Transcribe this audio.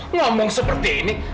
ngomong seperti ini